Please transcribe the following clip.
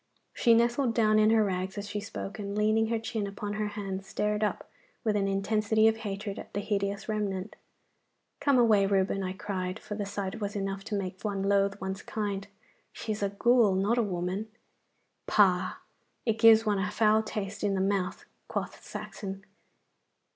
She nestled down in her rags as she spoke, and leaning her chin upon her hands stared up with an intensity of hatred at the hideous remnant. 'Come away, Reuben,' I cried, for the sight was enough to make one loathe one's kind. 'She is a ghoul, not a woman.' 'Pah! it gives one a foul taste in the mouth,' quoth Saxon.